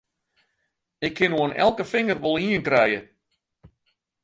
Ik kin oan elke finger wol ien krije!